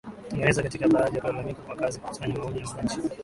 Kutengeneza Katiba baada ya kukamilika kwa kazi ya kukusanya maoni ya wananchi